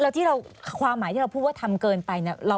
แล้วที่เราความหมายที่เราพูดว่าทำเกินไปเนี่ย